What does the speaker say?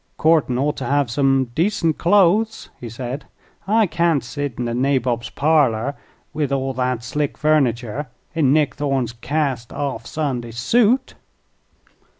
"Courtin' ought to hev some decent clothes," he said. "I kain't set in the nabob's parlor, with all thet slick furnitur', in Nick Thorne's cast off Sunday suit."